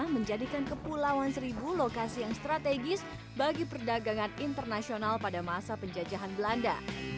menjadikan kepulauan seribu lokasi yang strategis bagi perdagangan internasional pada masa penjajahan belanda